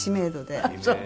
ああそう？